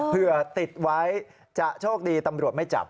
ติดไว้จะโชคดีตำรวจไม่จับ